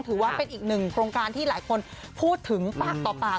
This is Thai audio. ถือว่าเป็นอีกหนึ่งโครงการที่หลายคนพูดถึงปากต่อปาก